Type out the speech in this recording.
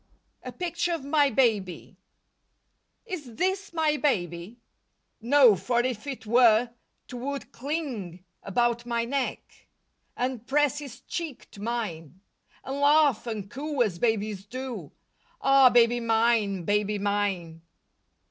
LIFE WAVES 21 A PICTURE OF MY BABY Is this my baby? No, for if it were 'twould cling about my neck And press its cheek to mine, And laugh and coo as babies do, Ah, baby mine, baby mine.